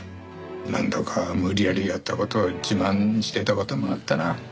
何度か無理やりやった事を自慢してた事もあったな。